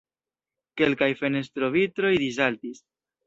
Kelkaj fenestrovitroj dissaltis.